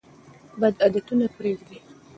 بد عادتونه پریږدئ.